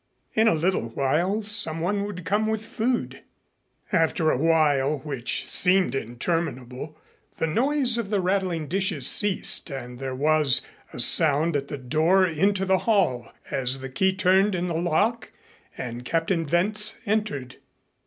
In a little while someone would come with food. After a while, which seemed interminable, the noise of the rattling dishes ceased and there was a sound at the door into the hall as the key turned in the lock and Captain Wentz entered.